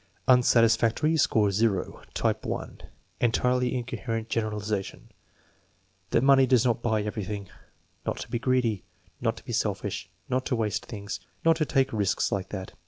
Unsatisfactory; score 0. Type (1), entirely incorrect generaliza tion :" That money does not buy everything." " Not to be greedy.' ' "Not to be selfish." "Not to waste things." "Not to take risks like that."